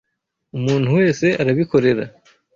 Umuntu wese arabikora.